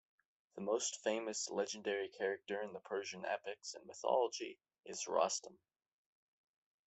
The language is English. The most famous legendary character in the Persian epics and mythology is Rostam.